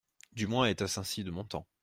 Du moins était-ce ainsi de mon temps.